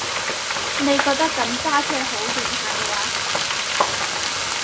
你覺得噉揸車好型下話？